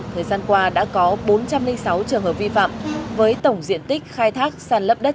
thời gian qua đã có bốn trăm linh sáu trường hợp vi phạm